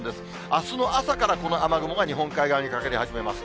あすの朝からこの雨雲が日本海側にかかり始めます。